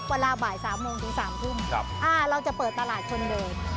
เวลาบ่าย๓โมงถึง๓ทุ่มเราจะเปิดตลาดชนเดช